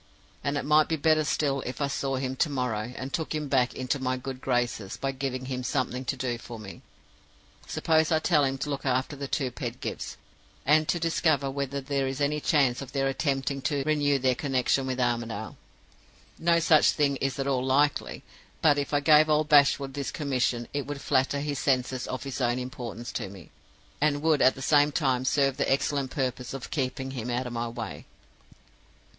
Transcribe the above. And it might be better still if I saw him to morrow, and took him back into my good graces by giving him something to do for me. Suppose I tell him to look after the two Pedgifts, and to discover whether there is any chance of their attempting to renew their connection with Armadale? No such thing is at all likely; but if I gave old Bashwood this commission, it would flatter his sense of his own importance to me, and would at the same time serve the excellent purpose of keeping him out of my way."